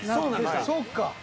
そっか。